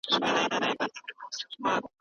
اقتصادي نظام د ټولنې جوړښت ښيي.